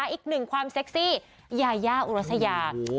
อีกหนึ่งความเซ็กซี่ยายาอุรัสยา